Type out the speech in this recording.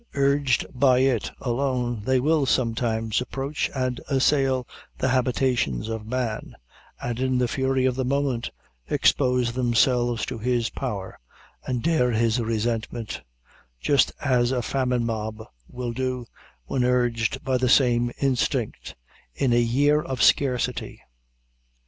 Urged by it alone, they will sometimes approach and assail the habitations of man, and, in the fury of the moment, expose themselves to his power, and dare his resentment; just as a famine mob will do, when urged by the same instinct, in a year of scarcity.